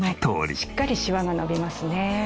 しっかりシワが伸びますね。